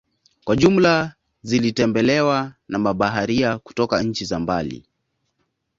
Kwa jumla zilitembelewa na mabaharia kutoka nchi za mbali